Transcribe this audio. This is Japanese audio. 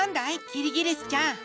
キリギリスちゃん。